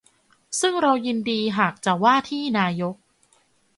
ซึ่งเรายินดีหากจะว่าที่นายก